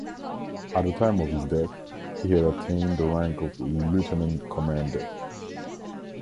At the time of his death, he had attained the rank of lieutenant commander.